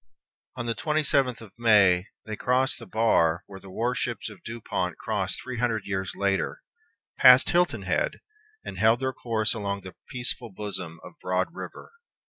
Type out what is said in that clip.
On the twenty seventh of May they crossed the bar where the war ships of Dupont crossed three hundred years later, passed Hilton Head, and held their course along the peaceful bosom of Broad River.